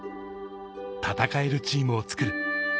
戦えるチームをつくる。